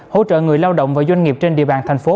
hỗ trợ người lao động và doanh nghiệp trên địa bàn thành phố